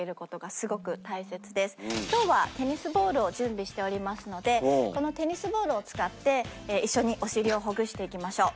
今日はテニスボールを準備しておりますのでこのテニスボールを使って一緒にお尻をほぐしていきましょう。